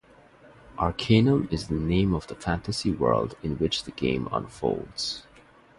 Arcanum is the name of the fantasy world in which the game unfolds.